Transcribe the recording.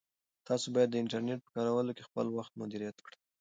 تاسو باید د انټرنیټ په کارولو کې خپل وخت مدیریت کړئ.